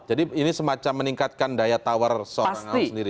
jadi ini semacam meningkatkan daya tawar sorang ahok sendiri